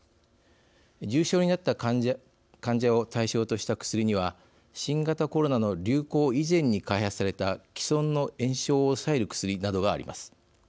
重症になった患者を対象とした薬には新型コロナの流行以前に開発された既存の炎症を抑える薬などがあります。